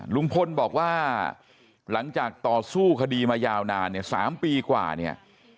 ลุงพลบอกว่าหลังจากต่อสู้คดีมายาวนานเนี่ย๓ปีกว่าเนี่ย